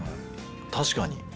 確かに。